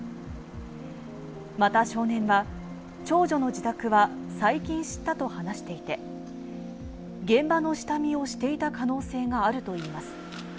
また少年は、長女の自宅は最近知ったと話していて、現場の下見をしていた可能性があるといいます。